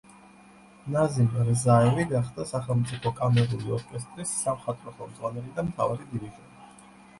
ნაზიმ რზაევი გახდა სახელმწიფო კამერული ორკესტრის სამხატვრო ხელმძღვანელი და მთავარი დირიჟორი.